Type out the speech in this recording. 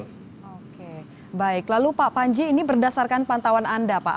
oke baik lalu pak panji ini berdasarkan pantauan anda pak